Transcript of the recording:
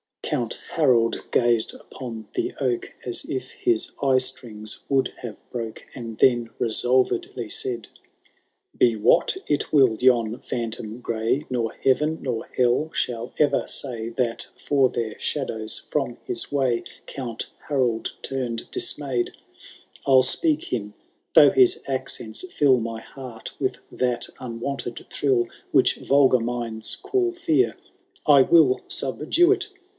« I CafUo V, HAROLD THB DAUNTLI6S. 173 VII. Count Harold gazed upon the oak Ab if his eyestrings would have broke, And then resolvedly said«— " Be what it will yon phantom gray^ Nor heaven, nor hell, shall ever say That for their shadows from his way Count Harold turned dismay^ : I'll speak him, though his accents fill My heart with that unwonted thrill Which vulgar minds call fear.^ I will subdue it